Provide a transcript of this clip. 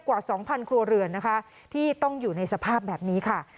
กว่า๒๐๐ครัวเรือนนะคะที่ต้องอยู่ในสภาพแบบนี้ค่ะ